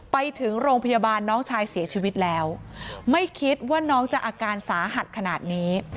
ไปถึงโรงพยาบาลน้องชายเสียชีวิตแล้วไม่คิดว่าน้องจะอาการสาหัสขนาดนี้